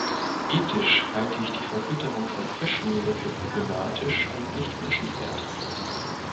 Ethisch halte ich die Verfütterung von Fischmehl für problematisch und nicht wünschenswert.